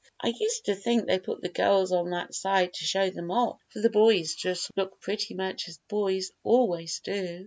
I used to think they put the girls on that side to show them off, for the boys just look pretty much as boys always do."